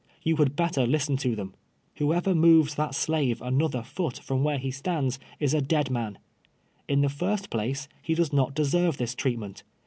You had better listen to them. Whoever moves that slave an other foot from Vvdiere he stands is a dead man. In the first place, he does not deserve this treatment.